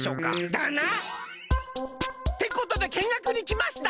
だな！ってことでけんがくにきました！